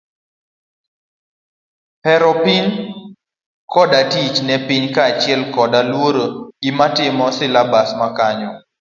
Hero piny, koda tich ne piny kachiel koda luor kagitimo silabas ma kanyo.